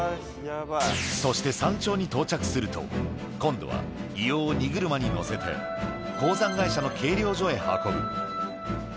そして山頂に到着すると今度は硫黄を荷車に載せて鉱山会社の計量所へ運ぶ